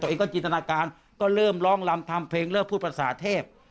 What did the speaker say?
ตัวเองก็จินตนาการก็เริ่มร้องลำทำเพลงเริ่มพูดภาษาเทพ